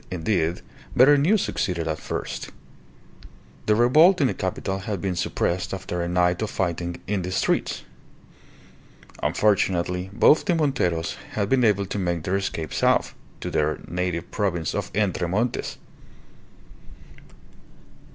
Indeed, better news succeeded at first. The revolt in the capital had been suppressed after a night of fighting in the streets. Unfortunately, both the Monteros had been able to make their escape south, to their native province of Entre Montes.